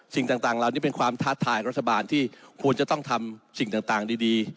สิ่งต่างเหล่านี้เป็นความท้าทายรัฐบาลที่ควรจะต้องทำสิ่งต่างดี